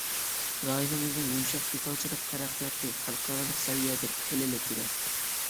رايونىمىزنىڭ يۇمشاق دېتالچىلىق تەرەققىياتى خەلقئارالىق سەۋىيەدىن خېلىلا تۆۋەن.